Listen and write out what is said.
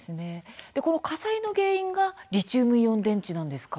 この火災の原因がリチウムイオン電池なんですか。